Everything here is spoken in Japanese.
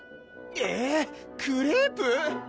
えーっクレープ？